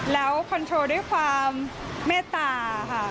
แล้วคอนโทรด้วยความเมตตาค่ะ